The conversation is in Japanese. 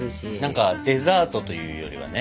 何かデザートというよりはね。